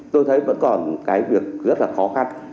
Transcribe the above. tôi thấy vẫn còn cái việc rất là khó khăn